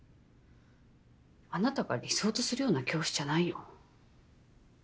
あなたが理想とするような教師じゃないよ。